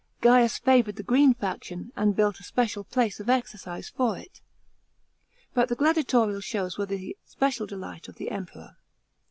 Grams favoured the green faction, and built a special place of exercise for it. But the gladiatorial shows were the special delight oi' the Emperor.